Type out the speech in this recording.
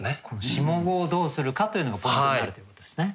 下五をどうするかというのがポイントになるということですね。